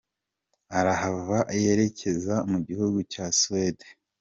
Arahava yerekeza mu gihugu cya Suwede.